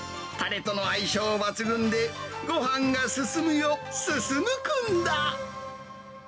たれとの相性抜群で、ごはんが進むよ、すすむくんだ。